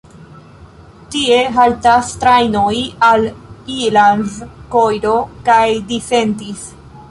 Tie haltas trajnoj al Ilanz, Koiro kaj Disentis.